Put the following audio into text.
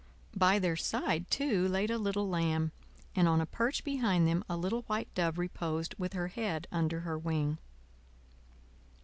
By their side, too, laid a little lamb, and on a perch behind them a little white dove reposed with her head under her wing.